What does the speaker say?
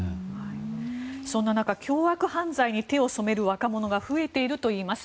そんな中凶悪犯罪に手を染める若者が増えているといいます。